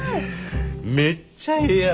めっちゃええやろ？